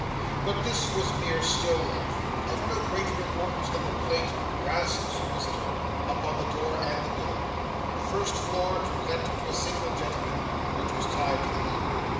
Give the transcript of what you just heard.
But this was mere still life, of no greater importance than the plate, 'BRASS, Solicitor,' upon the door, and the bill, 'First floor to let to a single gentleman,' which was tied to the knocker.